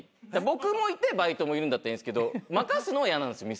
僕もいてバイトもいるんだったらいいんすけど任すのは嫌なんすよ